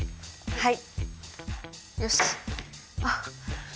はい。